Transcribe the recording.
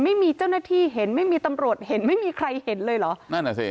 ไม่มีเจ้าหน้าที่เห็นไม่มีตำรวจเห็นไม่มีใครเห็นเลยเหรอนั่นอ่ะสิ